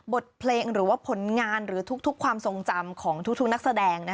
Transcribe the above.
บทเพลงหรือว่าผลงานหรือทุกความทรงจำของทุกนักแสดง